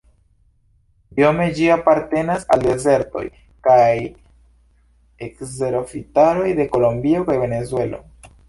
Biome ĝi apartenas al dezertoj kaj kserofitaroj de Kolombio kaj Venezuelo.